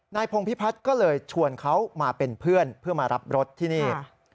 พงพิพัฒน์ก็เลยชวนเขามาเป็นเพื่อนเพื่อมารับรถที่นี่